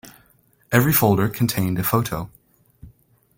Every folder contained a photo.